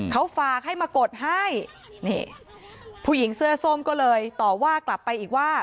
เขาฝากให้มากดให้นี่ผู้หญิงเสื้อส้มก็เลยต่อว่ากลับไปอีกว่า